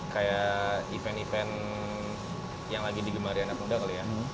kayak event event yang lagi digemari anak muda kali ya